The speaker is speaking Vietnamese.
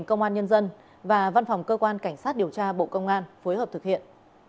công an nhân dân và văn phòng cơ quan cảnh sát điều tra bộ công an phối hợp thực hiện